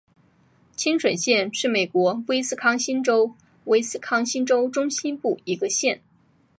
清水县是美国威斯康辛州威斯康辛州中西部的一个县。